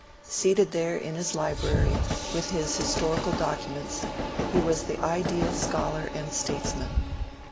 Seated there in his library with his historical documents, he was the ideal scholar and statesman.